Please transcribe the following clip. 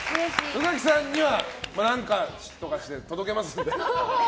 宇垣さんには何とかして届けますんで。